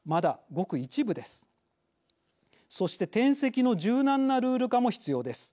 そして転籍の柔軟なルール化も必要です。